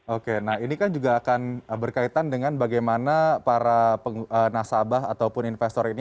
oke nah ini kan juga akan berkaitan dengan bagaimana para nasabah ataupun investor ini